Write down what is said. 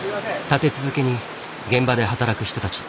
立て続けに現場で働く人たち。